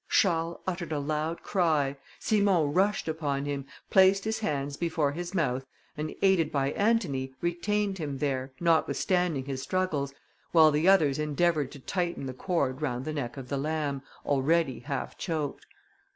Charles uttered a loud cry. Simon rushed upon him, placed his hands before his mouth, and aided by Antony, retained them there, notwithstanding his struggles, while the others endeavoured to tighten the cord round the neck of the lamb, already half choked.